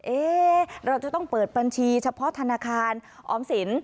เอ๊ะเราจะต้องเปิดบัญชีเฉพาะธนาคารออมสิน